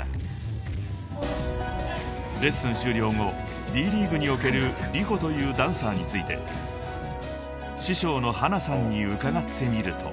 ［レッスン終了後Ｄ．ＬＥＡＧＵＥにおけるＲｉｈｏというダンサーについて師匠のＨＡＮＡさんに伺ってみると］